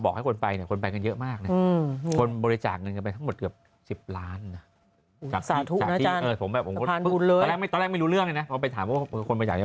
กี่โมงวันไหนสูงนี้อ่ะ